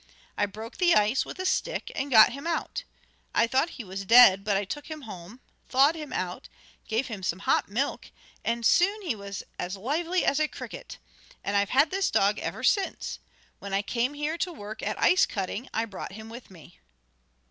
"I broke the ice with a stick and got him out. I thought he was dead, but I took him home, thawed him out, gave him some hot milk, and soon he was as lively as a cricket. And I've had this dog ever since. When I came here to work at ice cutting I brought him with me."